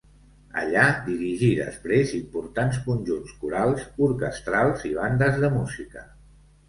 Allà dirigí després importants conjunts corals, orquestrals i bandes de música.